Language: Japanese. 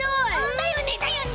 だよねだよね！